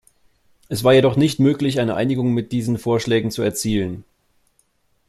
Es war jedoch nicht möglich, eine Einigung mit diesen Vorschlägen zu erzielen.